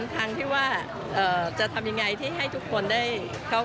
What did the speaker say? ทางที่ว่าจะทำยังไงที่ให้ทุกคนได้เข้า